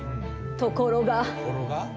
ところが。